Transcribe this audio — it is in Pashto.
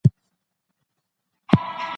نظري ټولنپوهنه د ټولنیزو پېښو ریښې څېړي.